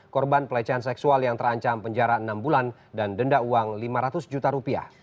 korban pelecehan seksual yang terancam penjara enam bulan dan denda uang lima ratus juta rupiah